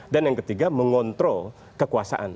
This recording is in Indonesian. dan yang ketiga mengontrol kekuasaan